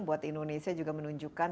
buat indonesia juga menunjukkan